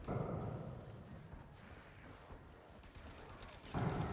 কিন্তু টিভি রিপ্লেতে পরিষ্কার দেখা যায়, বলটা জহুরুলের ব্যাট ছুঁয়ে প্যাডে লেগেছে।